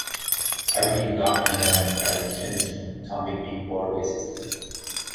Aberdeen Lock and Dam is part of the Tennessee-Tombigbee waterway system.